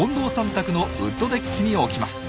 宅のウッドデッキに置きます。